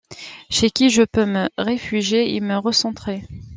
Chez qui je peux me réfugier et me recentrer.